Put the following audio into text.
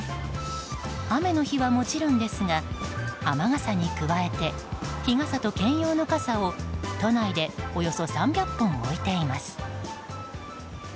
雨の日はもちろんですが雨傘に加えて日傘と兼用の傘を都内でおよそ３００本置いています。